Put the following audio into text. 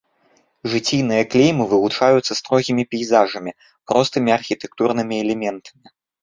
Жыційныя клеймы вылучаюцца строгімі пейзажамі, простымі архітэктурнымі элементамі.